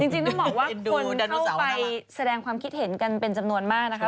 จริงต้องบอกว่าคนเข้าไปแสดงความคิดเห็นกันเป็นจำนวนมากนะคะ